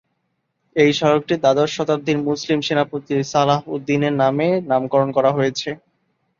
এই সড়কটি দ্বাদশ শতাব্দীর মুসলিম সেনাপতি সালাহউদ্দিনের নামে নামকরণ করা হয়েছে।